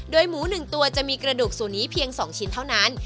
โดยหมู๑ตัวจะมีกระดูกส่วนนี้เพียง๒ชิ้นเท่านั้น